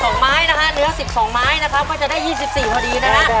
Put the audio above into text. เนื้อ๑๒ไม้นะครับก็จะได้๒๔พอดีนะฮะ